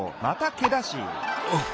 またけだし！